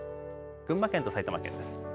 群馬県と埼玉県です。